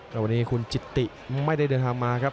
แต่วันนี้คุณจิตติไม่ได้เดินทางมาครับ